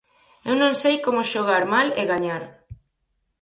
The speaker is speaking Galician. Eu non sei como xogar mal e gañar.